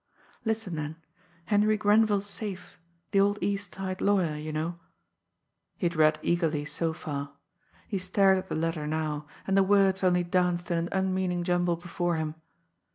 Listen, then! Henry Grenville's safe the old East Side lawyer, you know " He had read eagerly so far. He stared at the letter now, and the words only danced in an unmeaning jumble before him.